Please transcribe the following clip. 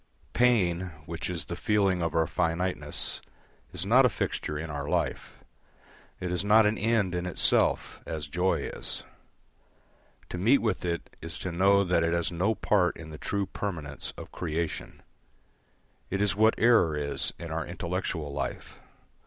Pain, which is the feeling of our finiteness, is not a fixture in our life. It is not an end in itself, as joy is. To meet with it is to know that it has no part in the true permanence of creation. It is what error is in our intellectual life.